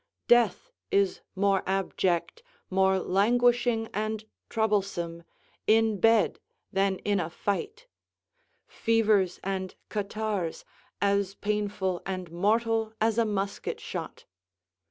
Death is more abject, more languishing and troublesome, in bed than in a fight: fevers and catarrhs as painful and mortal as a musket shot.